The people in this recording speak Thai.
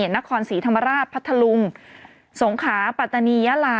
นครศรีธรรมราชพัทธลุงสงขาปัตตานียาลา